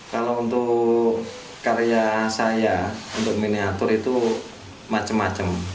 kalau untuk karya saya untuk miniatur itu macam macam